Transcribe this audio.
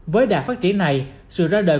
với đạt phát triển này sự ra đời